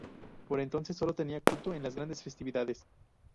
Por entonces solo tenía culto en las grandes festividades.